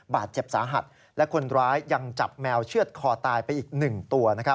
บาดเจ็บสาหัสและคนร้ายยังจับแมวเชื่อดคอตายไปอีก๑ตัว